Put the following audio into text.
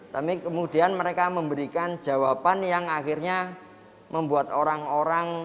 tapi kemudian mereka memberikan jawaban yang akhirnya membuat orang orang